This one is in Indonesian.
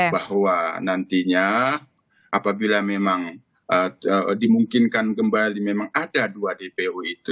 bahwa nantinya apabila memang dimungkinkan kembali memang ada dua dpo itu